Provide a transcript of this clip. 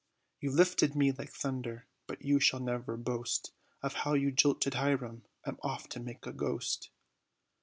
You've lifted me like thunder, but you shall never boast Of how you jilted Hiram I'm off to make a ghost!"